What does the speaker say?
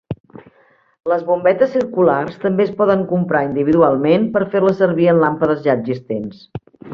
Les bombetes circulars també es poden comprar individualment per fer-les servir en làmpades ja existents.